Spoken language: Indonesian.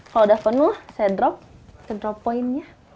kalau sudah penuh saya drop drop point nya